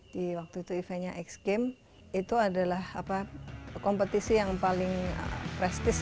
di waktu itu eventnya x game itu adalah kompetisi yang paling prestis